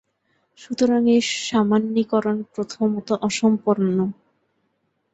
সুতরাং এই সামান্যীকরণ প্রথমত অসম্পূর্ণ।